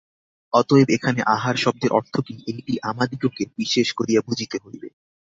অতএব এখানে আহার-শব্দের অর্থ কি, এইটি আমাদিগকে বিশেষ করিয়া বুঝিতে হইবে।